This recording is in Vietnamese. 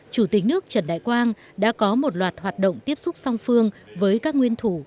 chủ tịch nước trần đại quang đã có một loạt hoạt động tiếp xúc song phương với các nguyên thủ